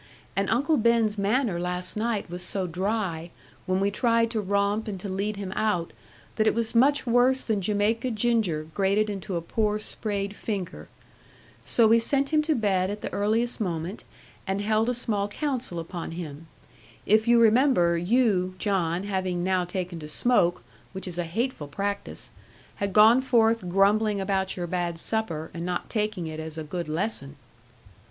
And Uncle Ben's manner last night was so dry, when we tried to romp and to lead him out, that it was much worse than Jamaica ginger grated into a poor sprayed finger. So we sent him to bed at the earliest moment, and held a small council upon him. If you remember you, John, having now taken to smoke (which is a hateful practice), had gone forth grumbling about your bad supper and not taking it as a good lesson.'